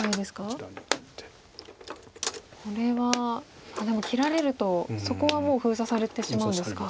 これはあっでも切られるとそこはもう封鎖されてしまうんですか。